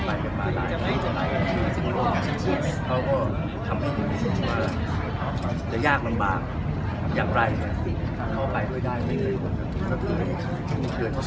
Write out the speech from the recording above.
และสินคิดต่อไปที่นึกมันต้องมีการคิดเอาไว้ร่วมหน้า